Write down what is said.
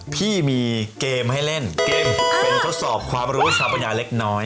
พี่มีเกมให้เล่นเกมเป็นทดสอบความรู้สถาปัญญาเล็กน้อย